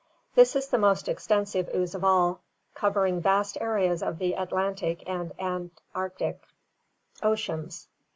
This is the most exten sive ooze of all, covering vast areas of the Atlantic and Antarctic oceans.